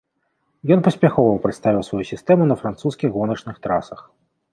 Ён паспяхова прадставіў сваю сістэму на французскіх гоначных трасах.